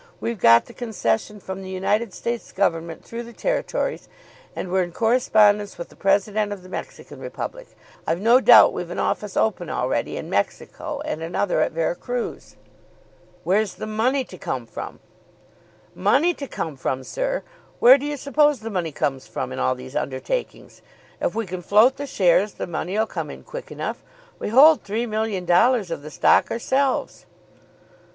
We've got the concession from the United States Government through the territories, and we're in correspondence with the President of the Mexican Republic. I've no doubt we've an office open already in Mexico and another at Vera Cruz." "Where's the money to come from?" "Money to come from, sir? Where do you suppose the money comes from in all these undertakings? If we can float the shares, the money'll come in quick enough. We hold three million dollars of the stock ourselves."